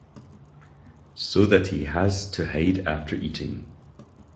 So that he has to hide after eating.